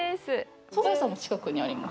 おそば屋さんが近くにあります。